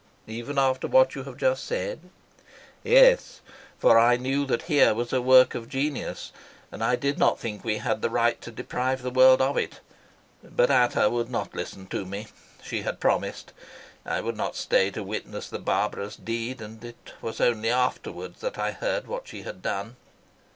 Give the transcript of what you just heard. "Even after what you have just said?" "Yes; for I knew that here was a work of genius, and I did not think we had the right to deprive the world of it. But Ata would not listen to me. She had promised. I would not stay to witness the barbarous deed, and it was only afterwards that I heard what she had done.